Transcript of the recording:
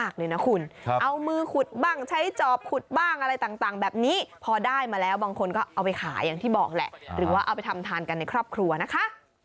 คุณก็เอาไปขายอย่างที่บอกแหละหรือว่าเอาไปทำทานกันในครอบครัวนะคะ